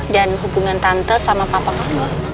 dan hubungan tante sama papa kamu